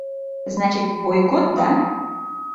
Значит, бойкот, да?